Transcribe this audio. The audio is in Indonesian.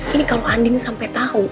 ini kalau andin sampai tahu